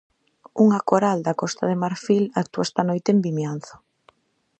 Unha coral da Costa de marfil actúa esta noite en Vimianzo.